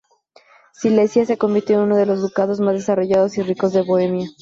Silesia se convirtió en uno de los ducados más desarrollados y ricos de Bohemia.